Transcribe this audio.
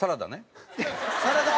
サラダね！